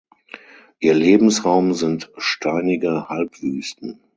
Ihr Lebensraum sind steinige Halbwüsten.